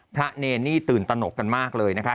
เนรนี่ตื่นตนกกันมากเลยนะคะ